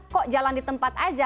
kok jalan di tempat aja